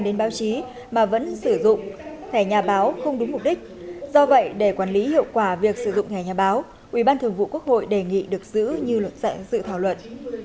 đến báo chí mà vẫn sử dụng kẻ nhà báo không đúng mục đích do vậy để quản lý hiệu quả việc sử dụng kẻ nhà báo ủy ban thường vụ quốc hội đề nghị được giữ như luận dạy sự thảo luận